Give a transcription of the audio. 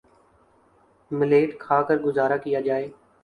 millet کھا کر گزارہ کیا جائے